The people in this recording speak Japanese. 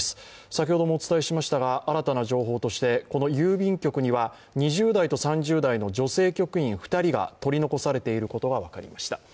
先ほどもお伝えしましたが新たな情報としてこの郵便局には２０代と３０代の女性局員２人が取り残されていることが分かりました。